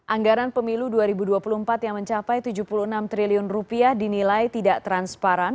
anggaran pemilu dua ribu dua puluh empat yang mencapai rp tujuh puluh enam triliun dinilai tidak transparan